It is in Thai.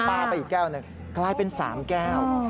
ไปอีกแก้วหนึ่งกลายเป็น๓แก้ว